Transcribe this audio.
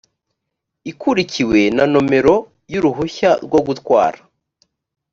ikurikiwe na nomero y uruhushya rwogutwara